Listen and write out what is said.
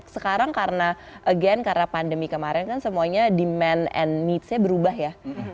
sekarang karena again karena pandemi kemarin kan semuanya demand and needsnya berubah ya